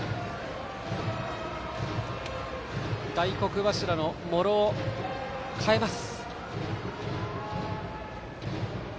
大黒柱の茂呂を代えます。